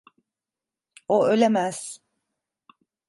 O ölemez.